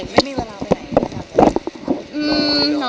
ไม่มีเวลาไปไหน